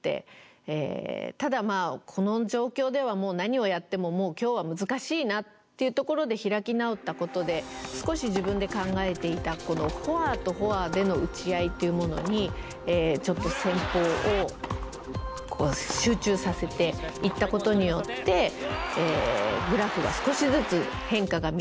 ただこの状況ではもう何をやっても今日は難しいなっていうところで開き直ったことで少し自分で考えていたこのフォアとフォアでの打ち合いというものにちょっと戦法を集中させていったことによってグラフが少しずつ変化が見られてきました。